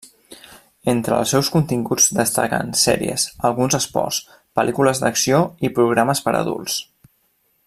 Entre els seus continguts destaquen: sèries, alguns esports, pel·lícules d'acció i programes per a adults.